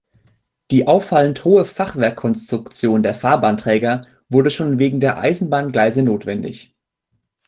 Die auffallend hohe Fachwerkkonstruktion der Fahrbahnträger wurde schon wegen der Eisenbahngleise notwendig.